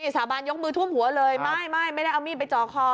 สาบานยกมือทุ่มหัวเลยไม่ไม่ไม่ได้เอามีดไปจ่อคอ